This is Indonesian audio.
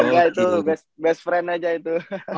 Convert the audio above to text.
enggak itu best friend aja itu